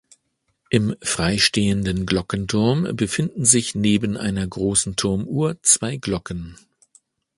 Im freistehenden Glockenturm befinden sich neben einer großen Turmuhr zwei Glocken.